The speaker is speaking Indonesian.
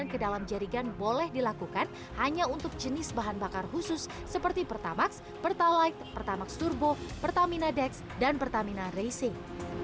ke dalam jaringan boleh dilakukan hanya untuk jenis bahan bakar khusus seperti pertamax pertalite pertamax turbo pertamina dex dan pertamina racing